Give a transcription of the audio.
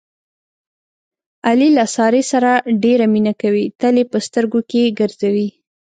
علي له سارې سره ډېره مینه کوي، تل یې په سترګو کې ګرځوي.